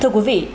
thưa quý vị